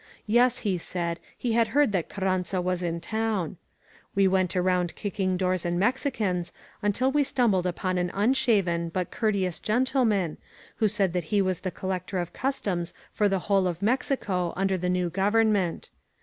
Yes^ he said, he had heard that Carranza was in town. We went around kicking doors and Mexicans until we stumbled upon an un shaven but courteous gentleman who said that he was the Collector of Customs for the whole of Mexico under the new government.